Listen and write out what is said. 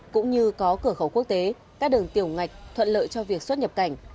cũng như có cửa khẩu quốc tế các đường tiểu ngạch thuận lợi cho việc xuất nhập cảnh